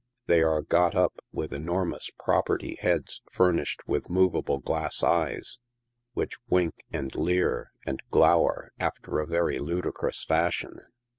They are got up with enormous " property" heads fur nished with movable glass eyes, which wink, and leer, and glower, after a very ludicrous fashion.